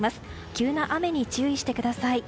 急な雨に注意してください。